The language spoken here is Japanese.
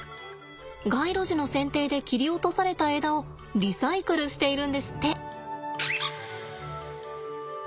街路樹の剪定で切り落とされた枝をリサイクルしているんですって。